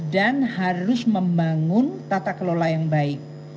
dan harus membangun tata kelola yang baik